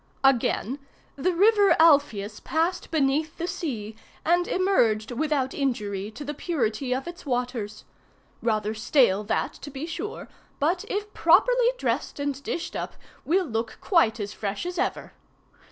"Again. 'The river Alpheus passed beneath the sea, and emerged without injury to the purity of its waters.' Rather stale that, to be sure, but, if properly dressed and dished up, will look quite as fresh as ever.